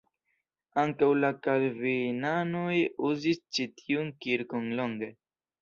Ankaŭ la kalvinanoj uzis ĉi tiun kirkon longe.